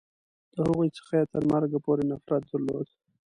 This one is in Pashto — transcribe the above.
د هغوی څخه یې تر مرګه پورې نفرت درلود.